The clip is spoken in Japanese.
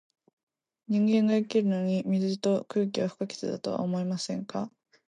人間が生きるのに、水と空気は不可欠だとは思いませんか？